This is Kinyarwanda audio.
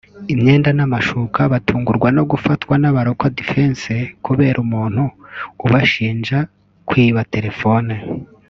imyenda n’amashuka batungurwa no gufatwa n’aba-local defense kubera umuntu ubashinja kwiba terefone